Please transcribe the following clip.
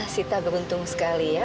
sita beruntung sekali ya